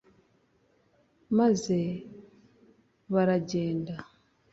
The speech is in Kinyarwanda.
maze baragenda